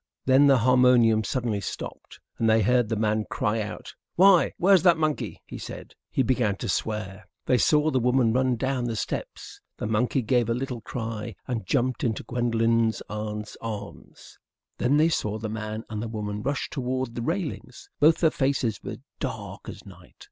Then the harmonium suddenly stopped, and they heard the man cry out. "Why, where's that monkey?" he said. He began to swear. They saw the woman run down the steps. The monkey gave a little cry and jumped into Gwendolen's aunt's arms. Then they saw the man and the woman rush toward the railings. Both their faces were dark as night.